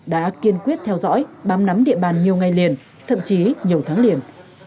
đã kiên quyết theo dõi bám nắm địa bàn nhiều ngày liền thậm chí nhiều tháng liền